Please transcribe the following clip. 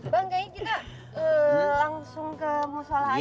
bang kayaknya kita langsung ke musolah aja deh